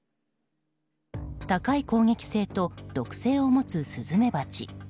高い攻撃性と毒性を持つスズメバチ。